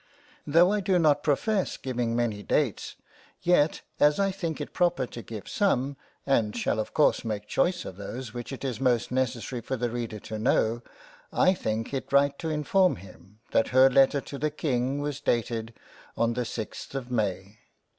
Tho' I do not profess giving many dates, yet as I think it proper to give some and shall of course make choice of those which it is most necessary for the Reader to know, I think it right to inform him that her letter to the King was dated on the 6th of May.